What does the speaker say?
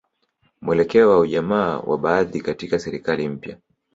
Mwelekeo wa ujamaa wa baadhi katika serikali mpya